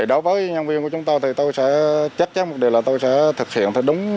đối với nhân viên của chúng tôi tôi sẽ chắc chắn một điều là tôi sẽ thực hiện